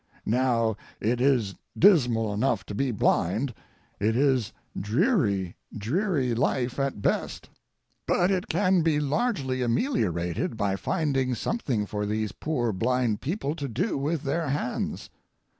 Now it is dismal enough to be blind—it is dreary, dreary life at best, but it can be largely ameliorated by finding something for these poor blind people to do with their hands.